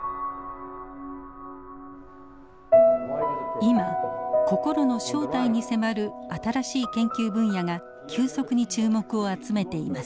今心の正体に迫る新しい研究分野が急速に注目を集めています。